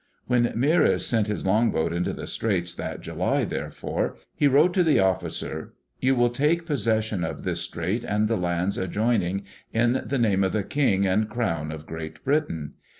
When Meares sent his longboat into the Straits that July, therefore, he wrote to the officer: "You will take possession of this strait and the lands adjoining in the name of the King and Crown of Great Britain."